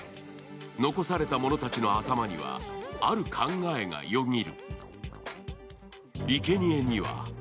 残された者たちの頭にはある考えがよぎる。